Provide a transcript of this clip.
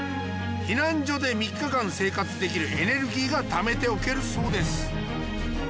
避難所で３日間生活できるエネルギーが貯めておけるそうです。